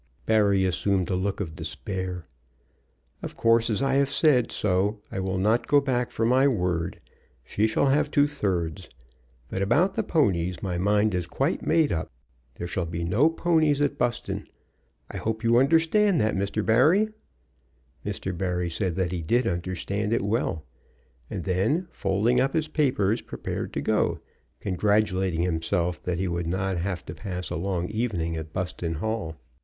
Barry assumed a look of despair. "Of course, as I have said so, I will not go back from my word. She shall have two thirds. But about the ponies my mind is quite made up. There shall be no ponies at Buston. I hope you understand that, Mr. Barry?" Mr. Barry said that he did understand it well, and then, folding up his papers, prepared to go, congratulating himself that he would not have to pass a long evening at Buston Hall.